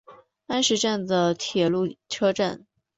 安食站的铁路车站。